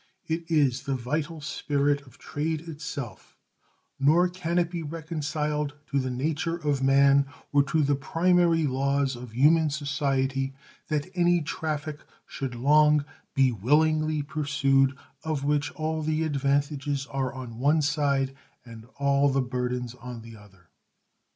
It is the vital spirit of trade itself; nor can it be reconciled to the nature of man or to the primary laws of human society that any traffic should long be willingly pursued of which all the advantages are on one side and all the burdens on the other.